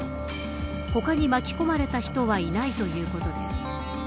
他に巻き込まれた人はいないということです。